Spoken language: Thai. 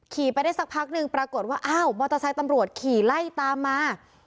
ไปได้สักพักหนึ่งปรากฏว่าอ้าวมอเตอร์ไซค์ตำรวจขี่ไล่ตามมา